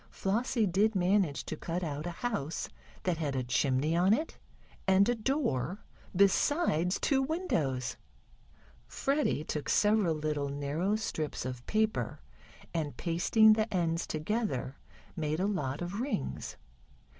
Flossie did manage to cut out a house, that had a chimney on it, and a door, besides two windows. Freddie took several little narrow strips of paper, and pasting the ends together, made a lot of rings.